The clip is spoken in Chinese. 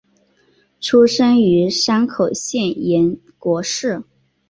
出身于山口县岩国市。